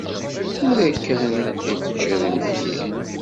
Tura kan i teččiḍ imekli.